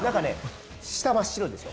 下、真っ白でしょ。